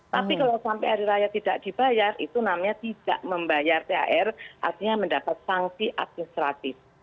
tapi kalau sampai hari raya tidak dibayar itu namanya tidak membayar thr artinya mendapat sanksi administratif